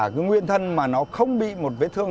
cái nguyên thân mà nó không bị một vết thương